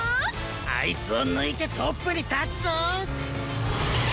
あいつをぬいてトップにたつぞ！